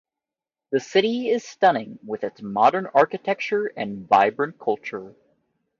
The city is stunning with its modern architecture and vibrant culture.